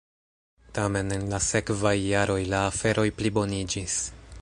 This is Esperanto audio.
Tamen en la sekvaj jaroj la aferoj pliboniĝis.